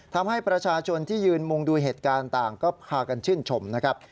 ทำให้ประชาชนที่ยืนมุงดูเหตุการณ์ต่างก็พากันชื่นชมนะครับ